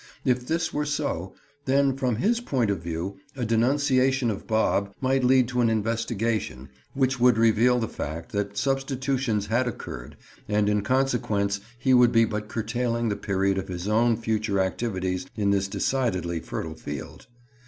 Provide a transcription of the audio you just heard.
If this were so, then from his point of view a denunciation of Bob might lead to an investigation which would reveal the fact that substitutions had occurred and in consequence he would be but curtailing the period of his own future activities in this decidedly fertile field.